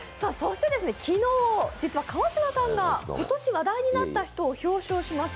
昨日、実は川島さんが今年話題になった人を表彰します